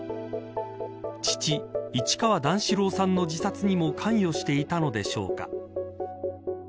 父、市川段四郎さんの自殺にも関与していたのでしょうか。